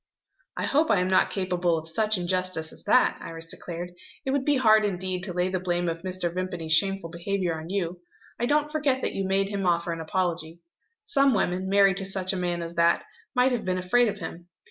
"I hope I am not capable of such injustice as that," Iris declared. "It would be hard indeed to lay the blame of Mr. Vimpany's shameful behaviour on you. I don't forget that you made him offer an apology. Some women, married to such a man as that, might have been afraid of him.